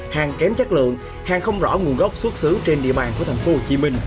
hàng kém chất lượng hàng không rõ nguồn gốc xuất xứ trên địa bàn của tp hcm